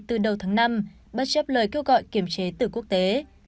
từ đầu tháng năm bất chấp lời kêu gọi kiểm chế tử quốc tế